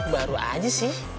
baru aja sih